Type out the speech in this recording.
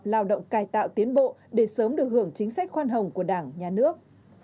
lao động cài tạo tiến bộ để sớm được hưởng chính sách khoan hồng của đảng nhà nước